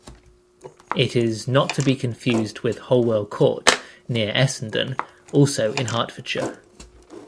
It is not to be confused with Holwell Court, near Essendon, also in Hertfordshire.